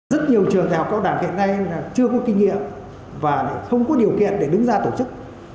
rất nhiều trường đại học cao đẳng hiện nay chưa có kinh nghiệm và không có điều kiện để đứng ra tổ chức